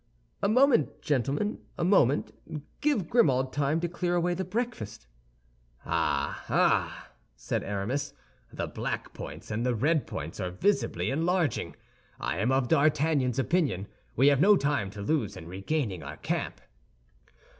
"A moment, gentlemen, a moment; give Grimaud time to clear away the breakfast." "Ah, ah!" said Aramis, "the black points and the red points are visibly enlarging. I am of D'Artagnan's opinion; we have no time to lose in regaining our camp."